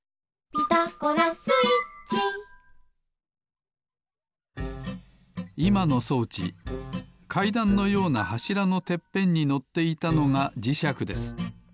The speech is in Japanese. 「ピタゴラスイッチ」いまの装置かいだんのようなはしらのてっぺんにのっていたのがじしゃくです。